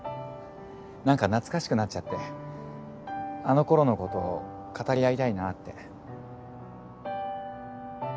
なんか懐かしくなっちゃってあの頃のこと語り合いたいなって。